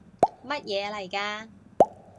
乜嘢嚟㗎？